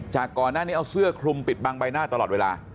ก่อนหน้านี้เอาเสื้อคลุมปิดบังใบหน้าตลอดเวลา